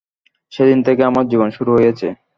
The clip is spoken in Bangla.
সেদিন থেকে আমার জীবন শুরু হয়েছে।